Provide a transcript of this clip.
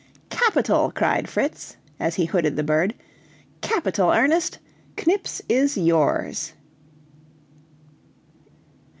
"Capital!" cried Fritz, as he hooded the bird, "capital, Ernest; Knips is yours."